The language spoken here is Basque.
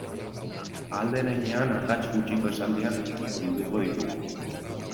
Ahal den heinean akats gutxiko esaldiak bilduko ditugu.